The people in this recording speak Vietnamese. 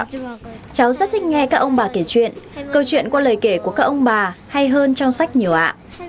cháu rất thích nghe các ông bà kể chuyện câu chuyện qua lời kể của các ông bà hay hơn trong sách nhiều ạ